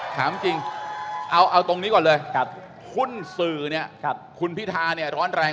ถามจริงก่อนเลยถามจริง